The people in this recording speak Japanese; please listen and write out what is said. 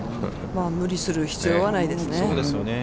無理する必要はないですね。